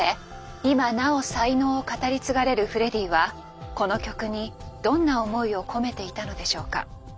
今なお才能を語り継がれるフレディはこの曲にどんな思いを込めていたのでしょうか。